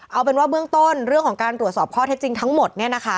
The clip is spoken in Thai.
เอาเป็นว่าเบื้องต้นเรื่องของการตรวจสอบข้อเท็จจริงทั้งหมดเนี่ยนะคะ